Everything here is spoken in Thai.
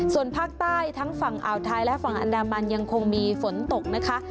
ส่วนภาคใต้ทั้งฝั่งอ่าวไทยและฝั่งอันดามันยังคงมีฝนตกนะคะ